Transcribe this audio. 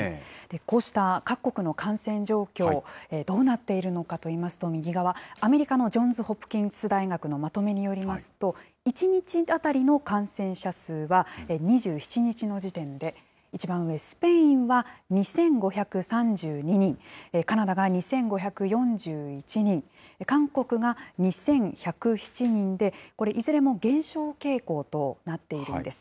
こうした各国の感染状況、どうなっているのかといいますと、右側、アメリカのジョンズ・ホプキンス大学のまとめによりますと、１日当たりの感染者数は２７日の時点で、一番上、スペインは２５３２人、カナダが２５４１人、韓国が２１０７人でこれ、いずれも減少傾向となっているんです。